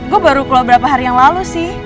gue baru keluar berapa hari yang lalu sih